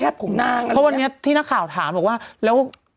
บางทีที่นักข่าวถามว่า